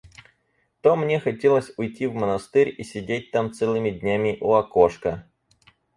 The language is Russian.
То мне хотелось уйти в монастырь, и сидеть там целыми днями у окошка.